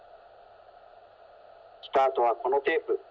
スタートはこのテープ。